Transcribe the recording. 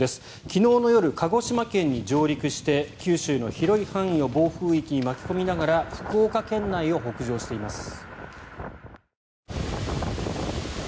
昨日の夜、鹿児島県に上陸して九州の広い範囲を暴風域に巻き込みながら福岡県内を北上しています。